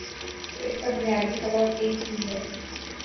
تو اس کا بنیادی سبب ایک ہی ہے۔